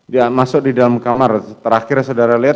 dia masuk di dalam kamar terakhir saudara lihat